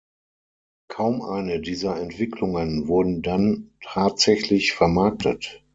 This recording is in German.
Kaum eine dieser Entwicklungen wurden dann tatsächlich vermarktet.